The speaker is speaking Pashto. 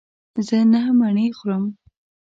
زه نهه مڼې خورم.